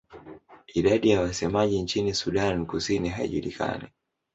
Idadi ya wasemaji nchini Sudan Kusini haijulikani.